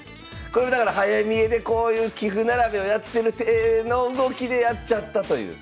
これだから早見えでこういう棋譜並べをやってる手の動きでやっちゃったという。